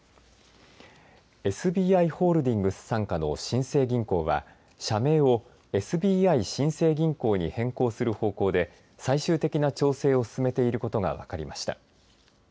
ＳＢＩホールディングス傘下の新生銀行は社名をＳＢＩ新生銀行に変更する方向で最終的な調整を進めていることが分かりました。